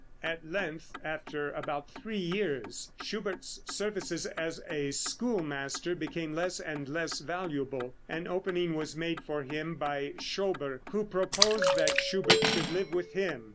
At length, after about three years, Schubert's services as a schoolmaster becoming less and less valuable, an opening was made for him by Schober, who proposed that Schubert should live with him.